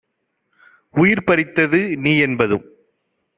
உயிர் பறித்தது நீஎன்பதும்